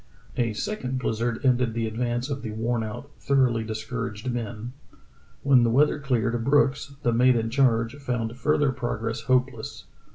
A second blizzard ended the advance of the worn 98 True Tales of Arctic Heroism out, thoroughly discouraged men. When the weather cleared Brooks, the mate in charge, found further prog ress hopeless.